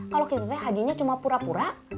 kalau kita lihat hajinya cuma pura pura